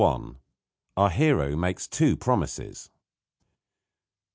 OUR HERO MAKES TWO PROMISES.